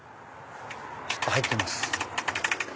ちょっと入ってみます。